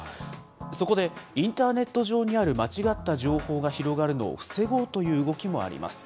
そこで、インターネット上にある間違った情報が広がるのを防ごうという動きもあります。